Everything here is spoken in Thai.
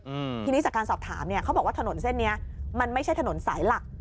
อืมทีนี้จากการสอบถามเนี้ยเขาบอกว่าถนนเส้นเนี้ยมันไม่ใช่ถนนสายหลัก